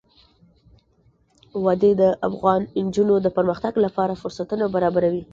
وادي د افغان نجونو د پرمختګ لپاره فرصتونه برابروي.